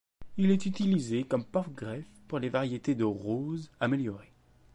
Il est utilisé comme porte-greffe pour des variétés de roses améliorées.